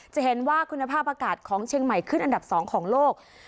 จะเห็นว่าคุณภาพอากาศของเชียงใหม่ขึ้นอันดับ๒ของโลก